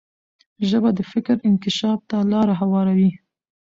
ژبه د فکر انکشاف ته لار هواروي.